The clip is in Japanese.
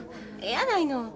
えやないの。